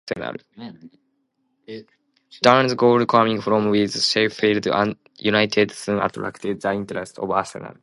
Dunne's goalscoring form with Sheffield United soon attracted the interest of Arsenal.